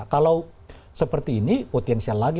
kalau seperti ini potensial lagi